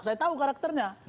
saya tahu karakternya